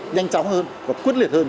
nhanh chóng hơn và quyết liệt hơn